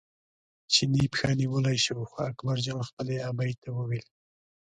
چیني پښه نیولی شو خو اکبرجان خپلې ابۍ ته وویل.